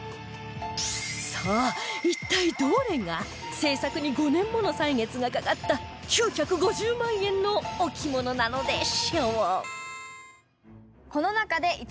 さあ一体どれが製作に５年もの歳月がかかった９５０万円のお着物なのでしょう？